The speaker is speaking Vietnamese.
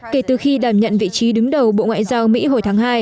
kể từ khi đảm nhận vị trí đứng đầu bộ ngoại giao mỹ hồi tháng hai